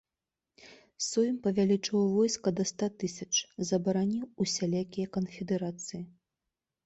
Сойм павялічыў войска да ста тысяч, забараніў усялякія канфедэрацыі.